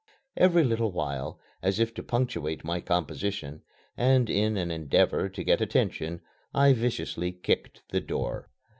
Every little while, as if to punctuate my composition, and in an endeavor to get attention, I viciously kicked the door.